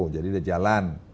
jadi udah jalan